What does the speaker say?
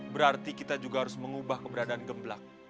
berarti kita juga harus mengubah keberadaan gemblak